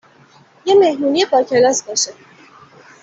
.یه مهمونی باکلاس باشه